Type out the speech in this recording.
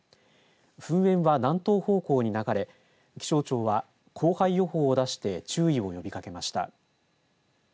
噴煙は南東方向に流れ気象庁は降灰予報を出して注意を呼びかけました。